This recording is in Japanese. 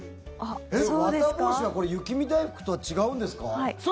わたぼうしは、これ雪見だいふくとは違うんですか？